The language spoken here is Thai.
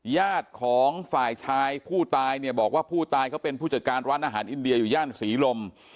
ญาติของฝ่ายชายผู้ตายเนี่ยบอกว่าผู้ตายเขาเป็นผู้จัดการร้านอาหารอินเดียอยู่ย่านศรีลม